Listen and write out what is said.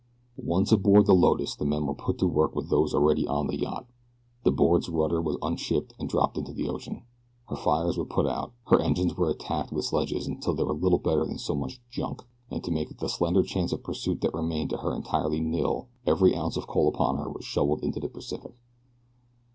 Once aboard the Lotus the men were put to work with those already on the yacht. The boat's rudder was unshipped and dropped into the ocean; her fires were put out; her engines were attacked with sledges until they were little better than so much junk, and to make the slender chances of pursuit that remained to her entirely nil every ounce of coal upon her was shoveled into the Pacific.